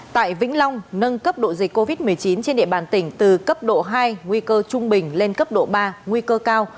tại vĩnh long nâng cấp độ dịch covid một mươi chín trên địa bàn tỉnh từ cấp độ hai nguy cơ trung bình lên cấp độ ba nguy cơ cao